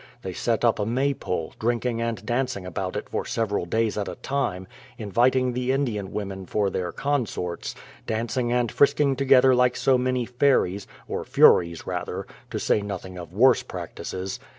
They set up a Maypole, drinking and dancing about it for several days at a time, inviting the Indian women for their consorts, dancing and frisking together like so many fairies, — or furies rather, — to say nothing of worse practices.